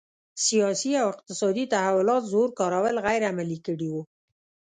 سیاسي او اقتصادي تحولات زور کارول غیر عملي کړي وو.